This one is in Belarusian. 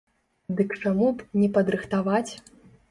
Дык чаму б не падрыхтаваць?